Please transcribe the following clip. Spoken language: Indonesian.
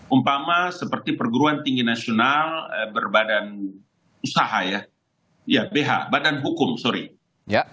umpama seperti perguruan tinggi nasional berbadan usaha ya bh badan hukum sorry